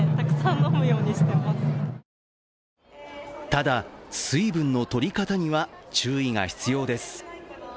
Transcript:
ただ、水分のとり方には注意が必要です。